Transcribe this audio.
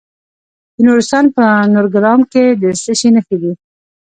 د نورستان په نورګرام کې د څه شي نښې دي؟